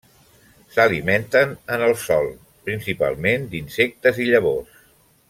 S'alimenten en el sòl, principalment d'insectes i llavors.